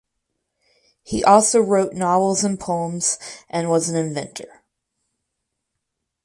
He also wrote novels and poems and was an inventor.